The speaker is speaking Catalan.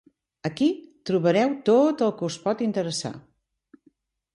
Aquí trobareu tot el que us pot interessar.